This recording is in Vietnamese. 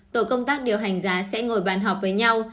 tổ công tác điều hành giá sẽ ngồi bàn họp với nhau